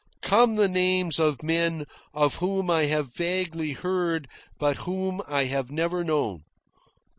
Come the names of men of whom I have vaguely heard but whom I have never known.